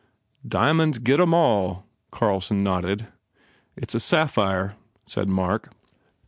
"Diamonds get em all," Carlson nodded. "It s a sapphire," said Mark.